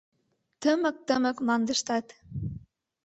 Тымык-тымык мландыштат: